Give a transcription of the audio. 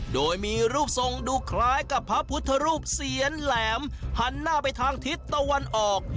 โดยมีรูปทรงดูคล้ายกับพระพุทธรูปเสียนแหลมหันหน้าไปทางทิศตะวันออก